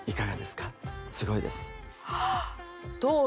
すごいですどう？